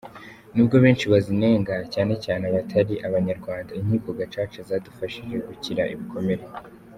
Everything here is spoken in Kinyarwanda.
N’ubwo benshi bazinenga cyane cyane cyane abatari abanyarwanda, inkiko Gacaca zadufashije gukira ibikomere.